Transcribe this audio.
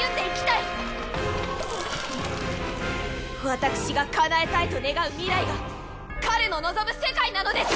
私がかなえたいと願う未来が彼の望む世界なのです！